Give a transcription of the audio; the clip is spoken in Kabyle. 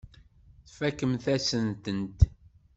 Tfakem-asen-tent.